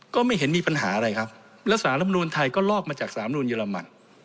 ก็ไม่เห็นมีปัญหาอะไรครับแล้วสารรำนูนไทยก็ลอกมาจากสามนูลเยอรมัน